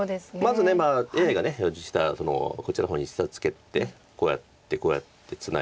まずＡＩが表示したこっちの方に下ツケてこうやってこうやってツナいで。